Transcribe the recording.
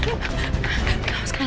aduh aduh aduh aduh